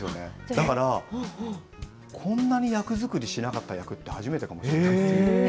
だから、こんなに役作りしなかった役って初めてかもしれないという。